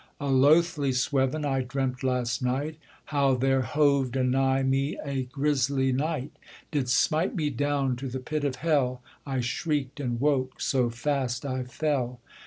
A lothly sweven I dreamt last night, How there hoved anigh me a griesly knight, Did smite me down to the pit of hell; I shrieked and woke, so fast I fell.